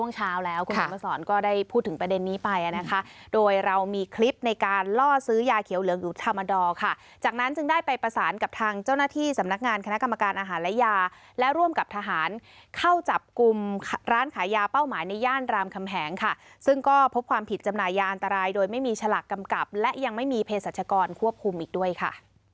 จากนั้นจึงได้ไปประสานกับทางเจ้าหน้าที่สำนักงานคณะกรรมการอาหารและยาและร่วมกับทหารเข้าจับกลุ่มร้านขายยาเป้าหมายในย่านรามแขมแหงค่ะซึ่งก็พบความผิดจำหน่ายยาอันตรายโดยไม่มีฉลากกำกับและยังไม่มีเพศสัชกรควบคุมอีกด้วยค่ะ